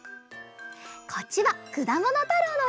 こっちは「くだものたろう」のえ。